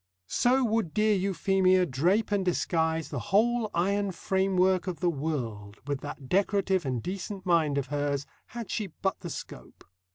So would dear Euphemia drape and disguise the whole iron framework of the world, with that decorative and decent mind of hers, had she but the scope.